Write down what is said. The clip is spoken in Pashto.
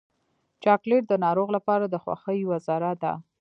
چاکلېټ د ناروغ لپاره د خوښۍ یوه ذره ده.